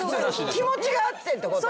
気持ちがあってってこと？